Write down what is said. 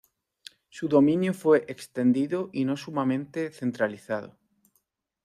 Su dominio fue extendido y no sumamente centralizado.